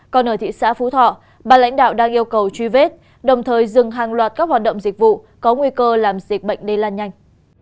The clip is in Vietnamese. còn ở thị xã phú thọ bà lãnh đạo đang yêu cầu truy vết đồng thời dừng hàng loạt các hoạt động dịch vụ có nguy cơ làm dịch bệnh lây lan nhanh